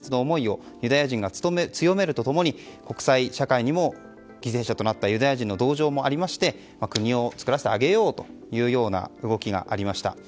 これに衝撃を受けましてユダヤ人国家建設の思いをユダヤ人が強めると共に国際社会にも犠牲者となったユダヤ人への同情もありまして国をつくらせてあげようという動きがありました。